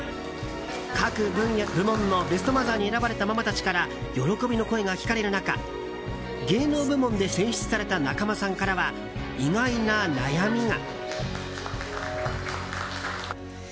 各部門のベストマザーに選ばれたママたちから喜びの声が聞かれる中芸能部門で選出された仲間さんからは意外な悩みが。